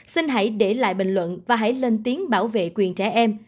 xin hãy để lại bình luận và hãy lên tiếng bảo vệ quyền trẻ em